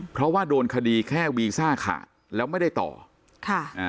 เพราะว่าโดนคดีแค่วีซ่าขาดแล้วไม่ได้ต่อค่ะอ่า